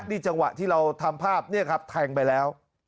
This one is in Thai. นี่จังหวะที่เราทำภาพเนี่ยครับแทงไปแล้ว